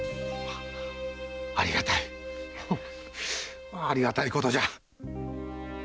ありがたいありがたいことじゃ。